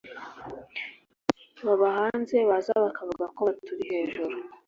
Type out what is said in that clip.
baba hanze bazabakavuga ko baturi hejuru